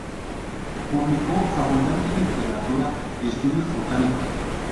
Publicó abundante literatura y estudios botánicos.